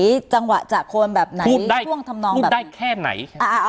พูดจังหวะจากคนแบบไหนพูดได้แค่ไหน